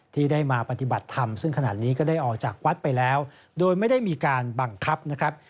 ที่ได้มาปฏิบัติธรรมซึ่งขณะนี้ก็ได้ออกจากวัดไปแล้วโดยไม่ได้มีการบังคับนะครับ